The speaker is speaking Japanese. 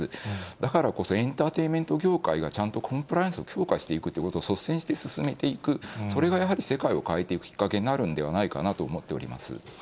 だからこそ、エンターテインメント業界がちゃんとコンプライアンスを強化していくということを率先して進めていく、それがやはり世界を変えていくきっかけになるんではないかなと思っております。